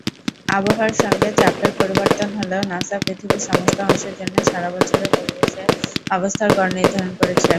আবহাওয়ার সঙ্গে চাপের পরিবর্তন হলেও, নাসা পৃথিবীর সমস্ত অংশের জন্য সারা বছরের পরিবেশের অবস্থার গড় নির্ধারণ করেছে।